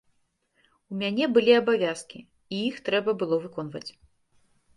У мяне былі абавязкі, і іх трэба было выконваць.